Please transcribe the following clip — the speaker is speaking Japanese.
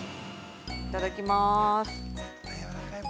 ◆いただきます。